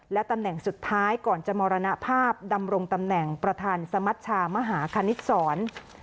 และตำแหน่งสุดท้ายก่อนจะมรณภาพดำรงตำแหน่งประธานสมัชชามหาคณิตศร